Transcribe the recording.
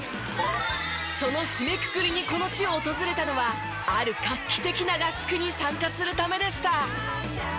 その締めくくりにこの地を訪れたのはある画期的な合宿に参加するためでした。